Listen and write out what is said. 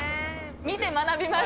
見て学びます。